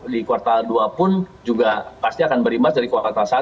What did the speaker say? di kuartal dua pun juga pasti akan berimbas dari kuartal satu